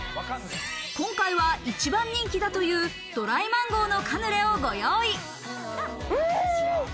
今回は一番人気だというドライマンゴーのカヌレをご用意。